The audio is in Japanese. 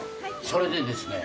それでですね。